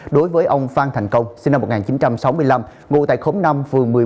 đối với ông phan thành công sinh năm một nghìn chín trăm sáu mươi năm ngồi tại khống năm vườn một mươi một